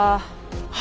は